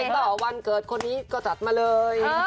ก็วันเกิดคนนี้ก็จัดมาเลย